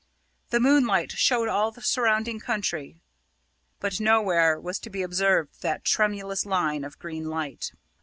The moonlight showed all the surrounding country, but nowhere was to be observed that tremulous line of green light.